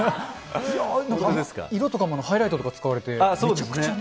色とかもハイライトとか使われて、めちゃくちゃね。